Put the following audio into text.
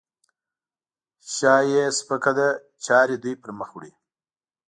شا یې سپکه ده؛ چارې دوی پرمخ وړي.